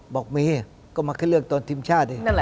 บอกมีก็มาเข้าเลือกตอนทีมชาติ